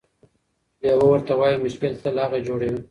لیوه ورته وايي: مشکل تل هغه جوړوي،